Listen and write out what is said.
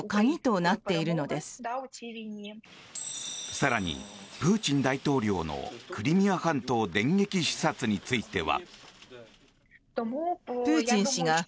更に、プーチン大統領のクリミア半島電撃視察については。